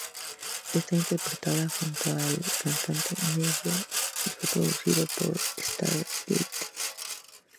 Está interpretada junto al cantante Ne-Yo y fue producida por Stargate.